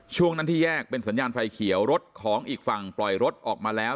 ช่วงนั้นที่แยกเป็นสัญญาณไฟเขียวรถของอีกฝั่งปล่อยรถออกมาแล้ว